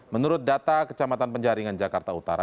menurut data kecamatan penjaringan jakarta utara